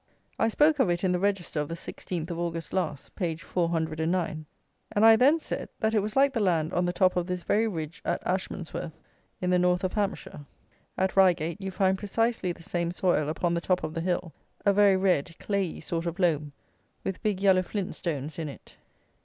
I spoke of it in the Register of the 16th of August last, page 409, and I then said, that it was like the land on the top of this very ridge at Ashmansworth in the north of Hampshire. At Reigate you find precisely the same soil upon the top of the hill, a very red, clayey sort of loam, with big yellow flint stones in it.